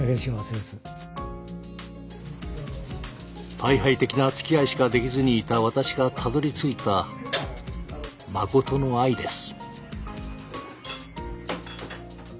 退廃的なつきあいしかできずにいた私がたどりついた誠の愛です。